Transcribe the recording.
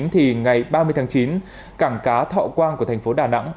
thì ngày ba mươi tháng chín cảng cá thọ quang của thành phố đà nẵng